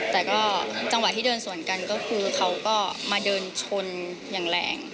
แต่ก็จังหวะที่เดินสวนกันก็คือเขาก็มาเดินชนอย่างแรง